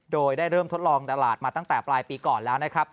โดยได้เริ่มทดลองตลาดมาตั้งแต่ปลายปีก่อนแล้วนะครับ